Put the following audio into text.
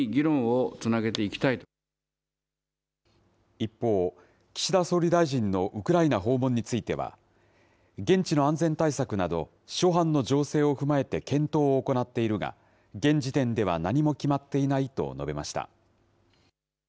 一方、岸田総理大臣のウクライナ訪問については、現地の安全対策など、諸般の情勢を踏まえて検討を行っているが、現時点では何も決まっていないと述べました。